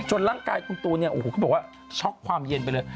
ร่างกายคุณตูนเนี่ยโอ้โหเขาบอกว่าช็อกความเย็นไปเลย